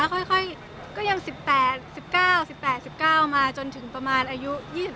ค่อยก็ยัง๑๘๑๙๑๘๑๙มาจนถึงประมาณอายุ๒๒